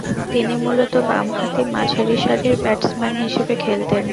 তিনি মূলতঃ বামহাতি মাঝারিসারির ব্যাটসম্যান হিসেবে খেলতেন।